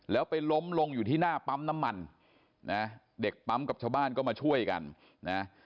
แล้วไปล้มลงอยู่ที่หน้าปั๊มน้ำมันนะเด็กปั๊มกับชาวบ้านก็มาช่วยกันนะ